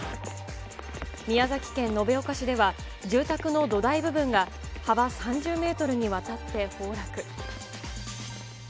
宮崎県延岡市では、住宅の土台部分が、幅３０メートルにわたって崩落。